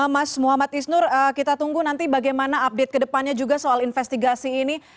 mas muhammad isnur kita tunggu nanti bagaimana update ke depannya juga soal investigasi ini